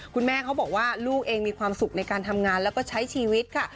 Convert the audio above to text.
เขาบอกว่าลูกเองมีความสุขในการทำงานแล้วก็ใช้ชีวิตค่ะ